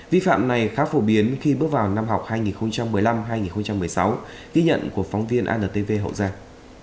vi phạm này khá phổ biến khi bước vào năm học hai nghìn một mươi năm hai nghìn một mươi sáu ghi nhận của phóng viên antv hậu giang